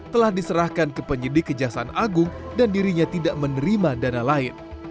telah diserahkan ke penyidik kejaksaan agung dan dirinya tidak menerima dana lain